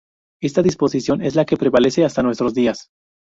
Esta disposición es la que prevalece hasta nuestros días.